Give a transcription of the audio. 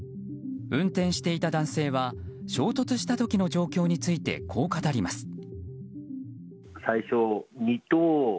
運転していた男性は衝突した時の状況についてこう語ります。